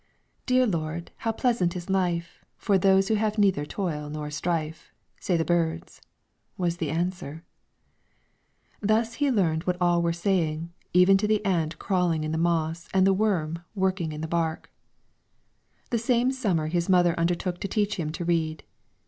"'Dear Lord, how pleasant is life, For those who have neither toil nor strife,' Say the birds." was the answer. [Footnote 2: Translated by H.R.G.] Thus he learned what all were saying, even to the ant crawling in the moss and the worm working in the bark. The same summer his mother undertook to teach him to read.